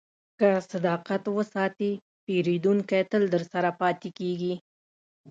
که صداقت وساتې، پیرودونکی تل درسره پاتې کېږي.